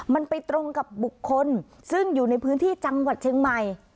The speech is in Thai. มันไปตรงกับบุคคลซึ่งอยู่ในพื้นที่จังหวัดเชียงใหม่